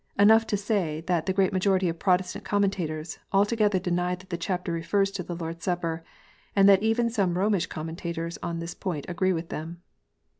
Enough to say that the great majority of Protestant commentators altogether deny that the chapter refers to the Lord s Supper, and that even some Romish com mentators on this point agree with them.